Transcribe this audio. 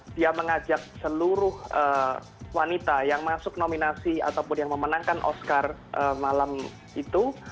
dia mengajak seluruh wanita yang masuk nominasi ataupun yang memenangkan oscar malam itu